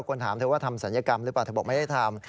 ถามเธอว่าทำศัลยกรรมหรือเปล่าเธอบอกไม่ได้ทำ